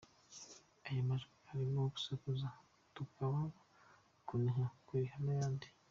Muri ayo majwi harimo gusakuza, gutaka, kuniha, kurira n’ayandi.